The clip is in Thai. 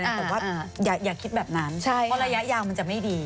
แต่ว่าอย่าคิดแบบนั้นเพราะระยะยาวมันจะไม่ดี